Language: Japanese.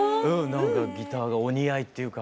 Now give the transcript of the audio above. なんかギターがお似合いっていうか。